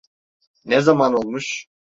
Ne zaman olmuş?